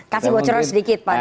kasih bocoran sedikit pak